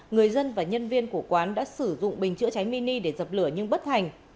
người dân và nhân viên của quán đã sử dụng bình chữa cháy mini để dập lửa nhưng bất thành